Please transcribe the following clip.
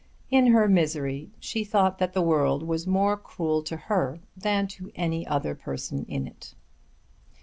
In her misery she thought that the world was more cruel to her than to any other person in it.